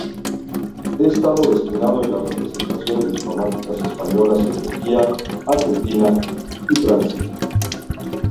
Ha estado destinado en las representaciones diplomáticas españolas en Turquía, Argentina y Francia.